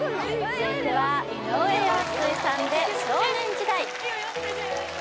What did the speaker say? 続いては井上陽水さんで「少年時代」